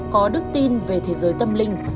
có đức tin về thế giới tâm linh